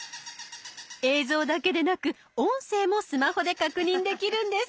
映像だけでなく音声もスマホで確認できるんです。